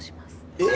えっ！？